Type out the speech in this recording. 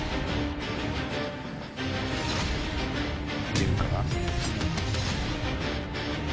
出るかな？